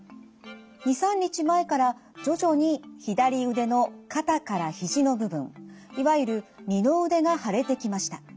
２３日前から徐々に左腕の肩から肘の部分いわゆる二の腕が腫れてきました。